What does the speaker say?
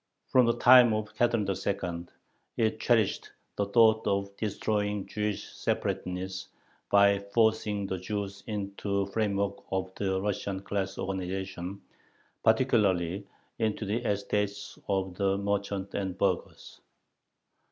From the time of Catherine II. it cherished the thought of "destroying Jewish separateness," by forcing the Jews into the framework of the Russian class organization, particularly into the estates of the merchants and burghers.